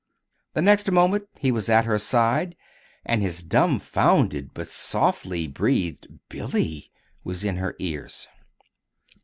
The next moment he was at her side and his dumfounded but softly breathed "Billy!" was in her ears.